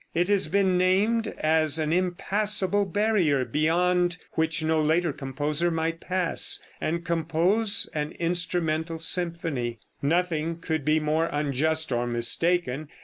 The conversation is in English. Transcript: It has been named as an impassable barrier beyond which no later composer might pass and compose an instrumental symphony. Nothing could be more unjust or mistaken.